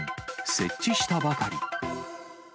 設置したばかり。